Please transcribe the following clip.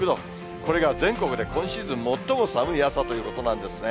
これが全国で今シーズン最も寒い朝ということなんですね。